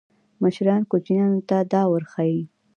مشران کوچنیانو ته دا ورښيي.